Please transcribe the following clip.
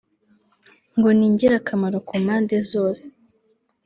ngo ni ingirakamaro ku mpande zoze